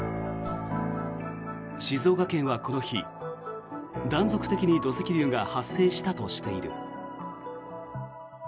静岡県はこの日、断続的に土石流が発生したとしている。